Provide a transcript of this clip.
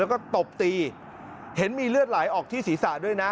แล้วก็ตบตีเห็นมีเลือดไหลออกที่ศีรษะด้วยนะ